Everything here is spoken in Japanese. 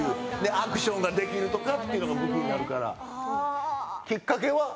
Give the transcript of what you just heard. アクションができるとかっていうのが武器になるから。